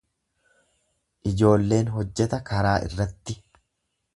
Ijoolleen hojjeta karaa irratti.